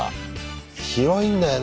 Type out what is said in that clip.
広いんだよね。